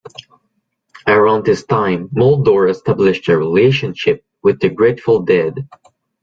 Around this time, Muldaur established a relationship with the Grateful Dead.